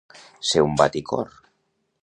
Ser un baticor.